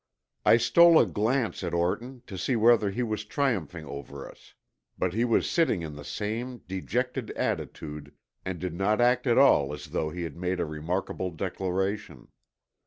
I stole a glance at Orton to see whether he was triumphing over us, but he was sitting in the same dejected attitude and did not act at all as though he had made a remarkable declaration.